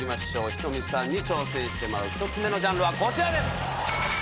ｈｉｔｏｍｉさんに挑戦してもらう１つ目のジャンルはこちらです。